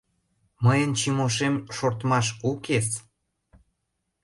Мыйын Чимошем шортмаш укес.